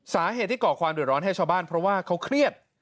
สาเหตุที่ก่อความเดือดร้อนให้ชาวบ้านเพราะว่าเขาเครียด